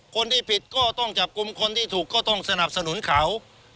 คนที่ผิดก็ต้องจับกลุ่มคนที่ถูกก็ต้องสนับสนุนเขา